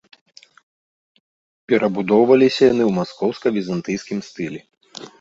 Перабудоўваліся яны ў маскоўска-візантыйскім стылі.